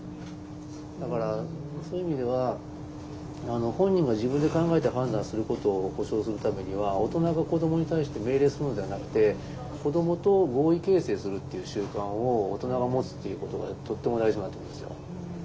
だからそういう意味では本人が自分で考えて判断することを保障するためには大人が子どもに対して命令するのではなくて子どもと合意形成するっていう習慣を大人が持つっていうことがとっても大事になってくるんですよ。